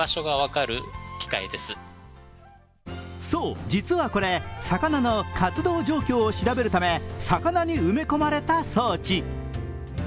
そう、実はこれ、魚の活動状況を調べるため魚に埋め込まれた装置。